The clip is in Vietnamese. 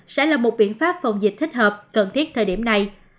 sẽ là một biện pháp phòng dịch thích hợp cần thiết thời điểm này